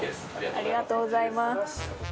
ありがとうございます。